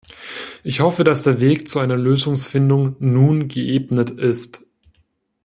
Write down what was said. Ich hoffe, dass der Weg zu einer Lösungsfindung nun geebnet ist.